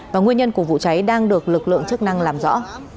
và nguyên nhân của vụ cháy đang được lực lượng chức năng làm rõ